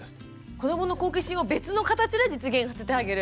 子どもの好奇心を別の形で実現させてあげる。